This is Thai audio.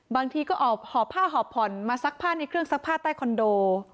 บางทีก็หอบผ้าหอบผ่อนมาซักผ้าในเครื่องซักผ้าใต้คอนโด